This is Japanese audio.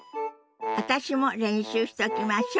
私も練習しときましょ。